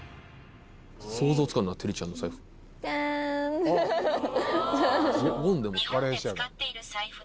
想像つかんなテリちゃんの財布。